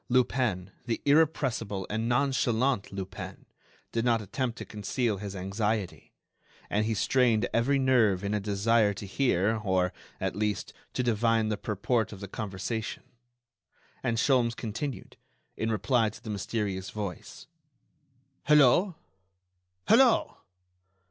Lupin, the irrepressible and nonchalant Lupin, did not attempt to conceal his anxiety, and he strained every nerve in a desire to hear or, at least, to divine the purport of the conversation. And Sholmes continued, in reply to the mysterious voice: "Hello!... Hello!...